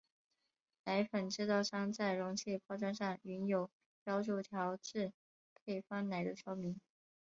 奶粉制造商在容器包装上均有标注调制配方奶的说明。